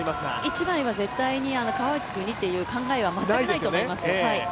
１枚は絶対川内君にという考えは全くないと思います。